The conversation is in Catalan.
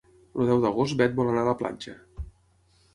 El deu d'agost na Bet vol anar a la platja.